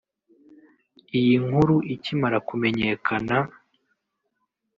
Iyi nkuru ikimara kumenyakana